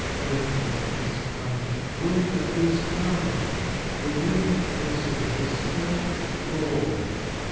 Winter is come ! Winter is come ! The wind whistles, the stoves roar.